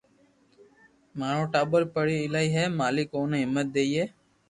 مارو ٽاٻر پڙي ايلائي ھي مالڪ اوني ھمت ديئي